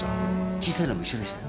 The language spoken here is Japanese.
小さいのも一緒でした？